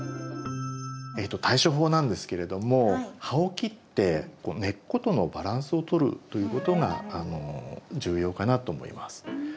対処法なんですけれども葉を切って根っことのバランスをとるということが重要かなと思います。